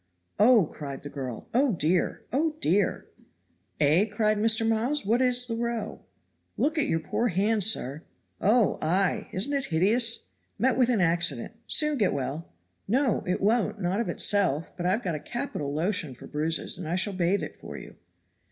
"Oh!" cried the girl. "Oh, dear! Oh, dear!" "Eh?" cried Mr. Miles, "what is the row?" "Look at your poor hand, sir!" "Oh, ay! isn't it hideous. Met with an accident. Soon get well." "No, it won't, not of itself; but I have got a capital lotion for bruises, and I shall bathe it for you."